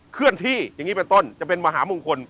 เคลื่อนที่อย่างนี้เป็นต้นจะเป็นมหามงคล